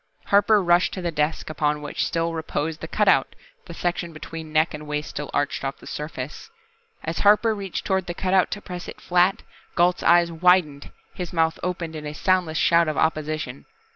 Harper rushed to the desk upon which still reposed the cutout, the section between neck and waist still arched off the surface. As Harper reached toward the cutout to press it flat, Gault's eyes widened, his mouth opened in a soundless shout of opposition.